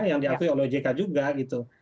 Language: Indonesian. yang diakui oleh ojk juga gitu